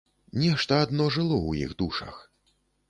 Нешта адно жыло ў іх душах.